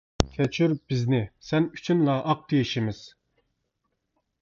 كەچۈر بىزنى، سەن ئۈچۈنلا، ئاقتى يېشىمىز.